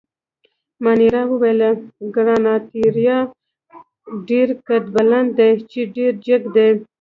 مانیرا وویل: ګراناتیریا ډېر قدبلند دي، چې ډېر جګ دي.